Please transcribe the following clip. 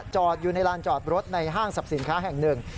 จอดอยู่ในลานจอดรถในห้างสรรพสินค้าแห่งหนึ่ง